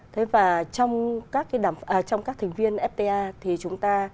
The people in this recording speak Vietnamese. thế và trong các thành viên fta thì chúng ta